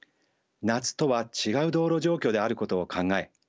夏とは違う道路状況であることを考え